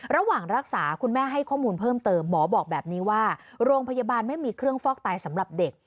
ระหว่างรักษาคุณแม่ให้ข้อมูลเพิ่มเติมหมอบอกแบบนี้ว่าโรงพยาบาลไม่มีเครื่องฟอกไตสำหรับเด็ก